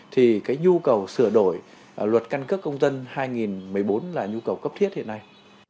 thì cái nhu cầu sửa đổi luật căn cước công dân hai nghìn một mươi bốn là nhu cầu cấp thiết hiện nay